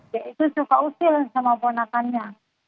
dia itu suka usil sama ponakannya